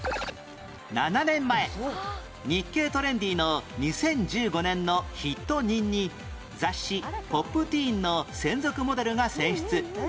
７年前『日系トレンディ』の２０１５年のヒット人に雑誌『Ｐｏｐｔｅｅｎ』の専属モデルが選出